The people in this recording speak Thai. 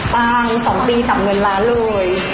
ใช่ไม่พลาดเลย